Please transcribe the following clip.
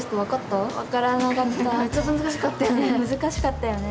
難しかったよね。